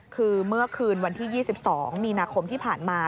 คือเมื่อคืนวันที่๒๒มีนาคมที่ผ่านมา